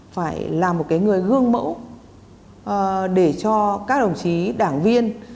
phải là một cái người gương mẫu để cho các đồng chí đảng viên